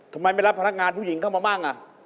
ทำไมไม่รับพนักงานผู้หญิงเข้ามามั่ง